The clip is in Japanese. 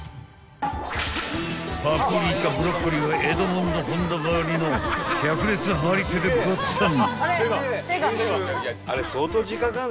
［パプリカブロッコリーはエドモンド本田ばりの百裂張り手でごっつぁん］